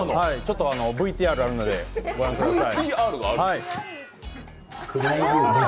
ＶＴＲがあるので御覧ください。